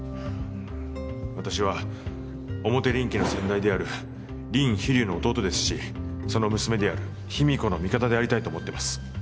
私は表林家の先代である林秘龍の弟ですしその娘である秘美子の味方でありたいと思ってます。